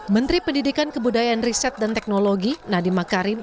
menteri pendidikan kebudayaan riset dan teknologi nadiem makarim